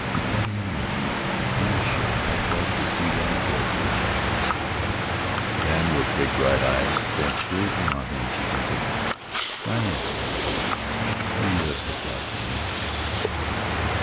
"Betty and Will! I'm sure I'd love to see them care for each other." Then with big, bright eyes bent gravely on him she continued, "May I ask, Colonel Zane, who you have picked out for me?"